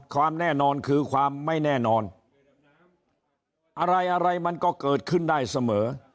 ความแน่นอนคือความไม่แน่นอนอะไรอะไรมันก็เกิดขึ้นได้เสมอ